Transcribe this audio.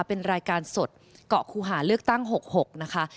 เป็นรายการสดเกาะคูหาเลือกตั้ง๖๖นะคะ